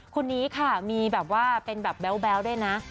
คนนี้ค่ะมีแบบว่าเป็นแบบแบ๊วด้วยนะ